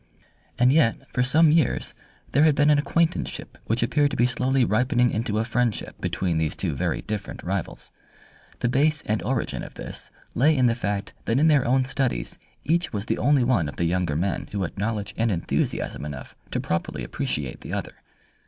And yet for some years there had been an acquaintanceship which appeared to be slowly ripening into a friendship between these two very different rivals. The base and origin of this lay in the fact that in their own studies each was the only one of the younger men who had knowledge and enthusiasm enough to properly appreciate the other.